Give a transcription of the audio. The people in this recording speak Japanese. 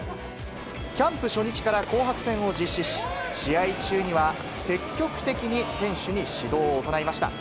キャンプ初日から紅白戦を実施し、試合中には積極的に選手に指導を行いました。